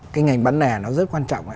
cái ngành bán lẻ nó rất quan trọng